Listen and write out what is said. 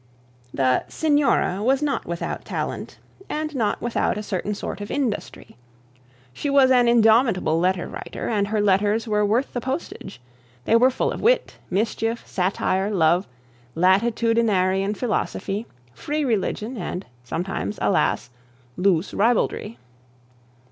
The 'Signora' was not without talent, and not without a certain sort of industry; she was an indomitable letter writer, and her letters were worth the postage: they were full of wit, mischief, satire, love, latitudinarian philosophy, free religion, and, sometimes, alas! loose ribaldry.